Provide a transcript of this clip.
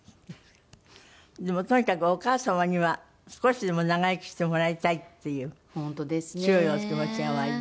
でもとにかくお母様には少しでも長生きしてもらいたいっていう強いお気持ちがおありで。